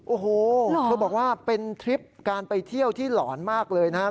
โอ้โหเธอบอกว่าเป็นทริปการไปเที่ยวที่หลอนมากเลยนะครับ